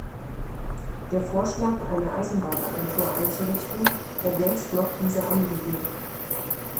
Der Vorschlag, eine Eisenbahnagentur einzurichten, ergänzt noch diese Anliegen.